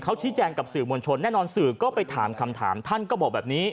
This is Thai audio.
เขาชี้แจงกับสื่อมวลชนแน่นอนสื่อก็ไปถามคำถามท่านก็บอกแบบนี้